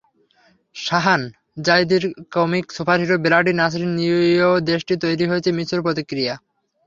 শাহান যাইদির comic superhero bloody Nasrin নিয়েও দেশটিতে তৈরি হয়েছে মিশ্র প্রতিক্রিয়া।